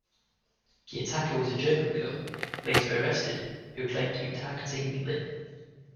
The attacker was a German girl, later arrested, who claimed to be targeting Linn.